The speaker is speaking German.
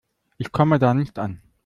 Ich komme da nicht an.